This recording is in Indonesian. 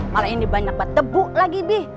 malah ini banyak mbak debu lagi bih